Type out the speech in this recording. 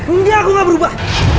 enggak aku gak berubah